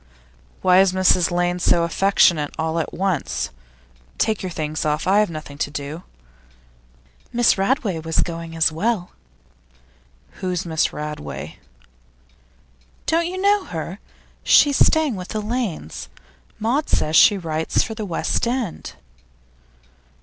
'Why is Mrs Lane so affectionate all at once? Take your things off; I have nothing to do.' 'Miss Radway was going as well.' 'Who's Miss Radway?' 'Don't you know her? She's staying with the Lanes. Maud says she writes for The West End.